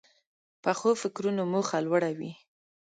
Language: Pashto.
پخو فکرونو موخه لوړه وي